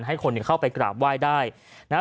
ให้คนเข้าไปกราบไหว้ได้นะฮะ